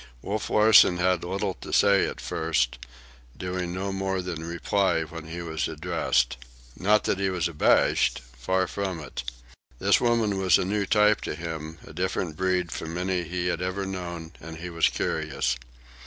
Wolf Larsen had little to say at first, doing no more than reply when he was addressed. Not that he was abashed. Far from it. This woman was a new type to him, a different breed from any he had ever known, and he was curious.